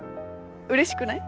うれしくない？